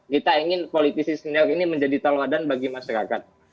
kita ingin politisi senior ini menjadi taluadan bagi masyarakat